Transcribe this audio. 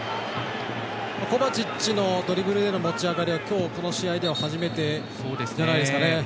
コバチッチのドリブルでの立ち上がりは今日、この試合では初めてじゃないですかね。